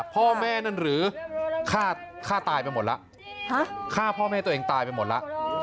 พ่อแม่นั่นหรือฆ่าตายไปหมดแล้วฆ่าพ่อแม่ตัวเองตายไปหมดแล้ว